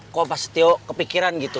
kok pak setio kepikiran gitu